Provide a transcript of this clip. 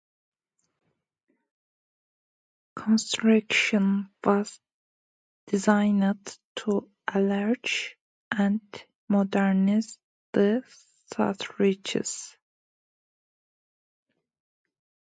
Construction was designed to enlarge and modernize the structures.